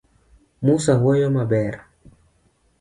Musa woyo maber .